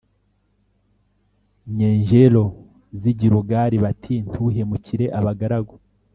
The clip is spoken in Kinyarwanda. nyenjyero z i Gilugali bati Ntuhemukire abagaragu